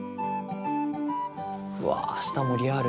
うわ舌もリアル。